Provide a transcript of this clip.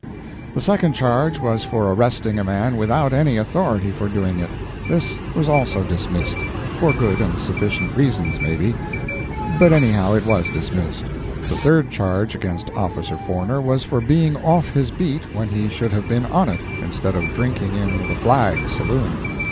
The second charge was for arresting a man without any authority for doing it. This was also dismissed—for good and sufficient reasons, maybe—but anyhow it was dismissed. The third charge against Officer Forner was for being off his beat when he should have been on it, instead of drinking in the "Flag" saloon.